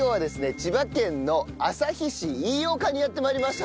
千葉県の旭市飯岡にやって参りました。